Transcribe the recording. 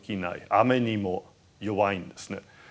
雨にも弱いんですね。